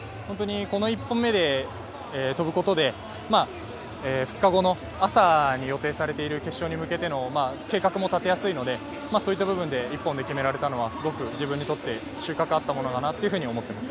１本目で跳ぶことで２日後の朝に予定されてる決勝に向けての計画も立てやすいのでそういった部分で１本で決められたのはすごく自分とって収穫があったと思っています。